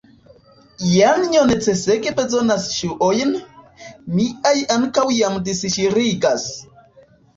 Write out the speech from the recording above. Janjo necesege bezonas ŝuojn, miaj ankaŭ jam disŝiriĝas.